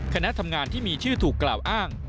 คณะทำงานที่มีชื่อถูกกล่าวอ้าง